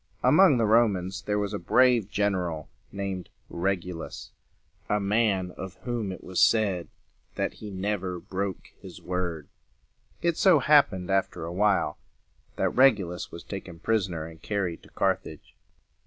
Among the Romans there was a brave gen er al named Reg´u lus, a man of whom it was said that he never broke his word. It so happened after a while, that Reg u lus was taken pris on er and carried to Carthage.